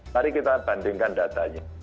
mari kita bandingkan datanya